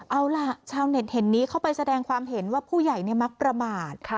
เอาล่ะชาวเน็ตเห็นนี้เข้าไปแสดงความเห็นว่าผู้ใหญ่มักประมาท